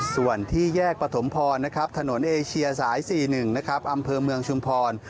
ส่วนที่แยกปฐมพรนะครับถนนเอเชียสาย๔๑นะครับอำเภอเมืองชุมพร